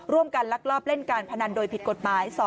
๑ร่วมการลักลอบเล่นการพนันโดยผิดกฎหมาย